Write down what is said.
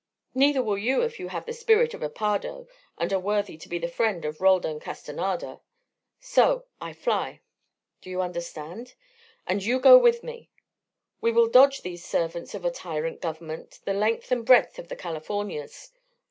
Neither will you if you have the spirit of a Pardo and are worthy to be the friend of Roldan Castanada. So I fly. Do you understand? and you go with me. We will dodge these servants of a tyrant government the length and breadth of the Californias.